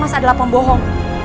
mas adalah pembohong